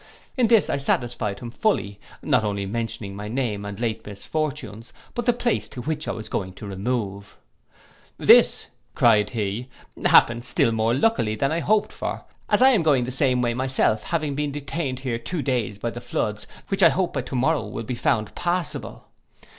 In this I satisfied him fully, not only mentioning my name and late misfortunes, but the place to which I was going to remove. 'This,' cried he, 'happens still more luckily than I hoped for, as I am going the same way myself, having been detained here two days by the floods, which, I hope, by to morrow will be found passable.